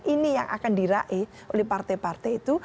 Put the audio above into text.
ini yang akan diraih oleh partai partai itu